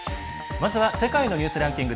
まずは「世界のニュースランキング」。